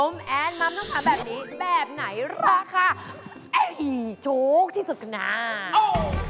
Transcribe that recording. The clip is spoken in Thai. แบบนี้แบบไหนราคาไอ้โชคที่สุดขนาด